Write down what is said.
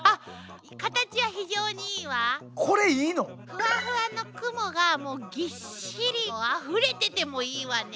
フワフワの雲がもうぎっしりもうあふれててもいいわね。